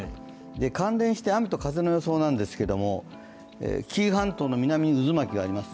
関連して雨と風の予想なんですけども紀伊半島の南、渦巻きがあります。